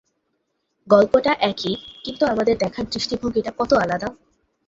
গল্পটা একই, কিন্তু আমাদের দেখার দৃষ্টিভঙ্গিটা কতো আলাদা!